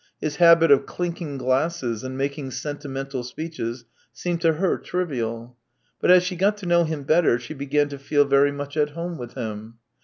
his habit of clinking glasses and making sentimental speeches, seemed to her trivial. But as she got to know him better, she began to feel very much at home with him.